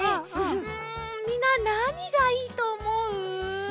うんみんななにがいいとおもう？